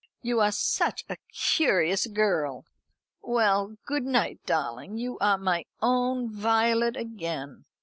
"You are such a curious girl. Well, good night, darling. You are my own Violet again."